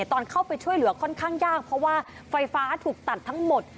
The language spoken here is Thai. ตอนเข้าไปช่วยเหลือค่อนข้างยากเพราะว่าไฟฟ้าถูกตัดทั้งหมด